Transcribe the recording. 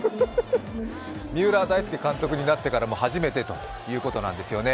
三浦大輔監督になってからも初めてということなんですよね。